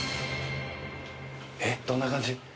えっどんな感じ？